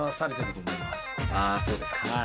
そうですか。